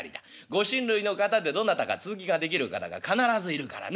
ご親類の方でどなたか続きができる方が必ずいるからね